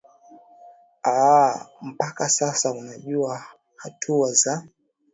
aa mpaka sasa unajua hatua za